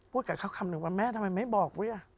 พูดกับเขาคำหนึ่งว่าแม่ทำไมไม่บอก